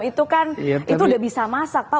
itu sudah bisa masak pak